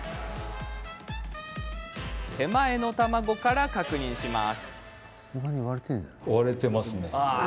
手前の卵から確認します。